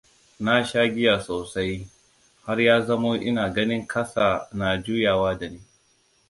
Na sha giya sosai, har ya zamo ina ganin ƙasa na juyawa da ni.